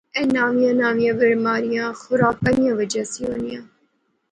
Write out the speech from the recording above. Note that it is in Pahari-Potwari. اے نویاں نویاں بیماریاں خراکا نی وجہ سی ہونیاں